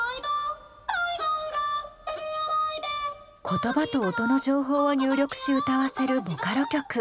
言葉と音の情報を入力し歌わせるボカロ曲。